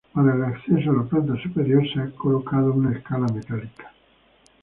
Para el acceso a la planta superior se ha colocado una escala metálica.